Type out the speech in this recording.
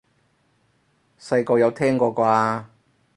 細個有聽過啩？